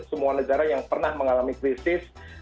semua negara yang pernah mengalami krisis